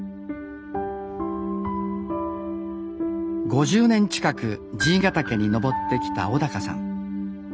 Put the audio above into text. ５０年近く爺ヶ岳に登ってきた小さん。